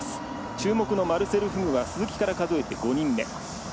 注目のマルセル・フグは鈴木から数えて５人目。